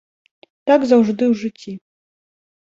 Так заўжды ў жыцці.